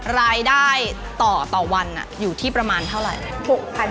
รายได้ต่อวันอยู่ที่ประมาณเท่าไหร่